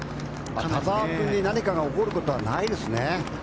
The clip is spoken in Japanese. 田澤君に何かが起こることはないですね。